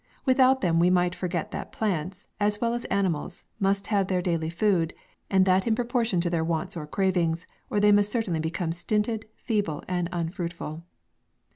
Without them we might forget that plants, as well as animals, must have their daily food, and that in proportion to their wants or cravings, or they must certainly become stinted, feeble, and unfruitful.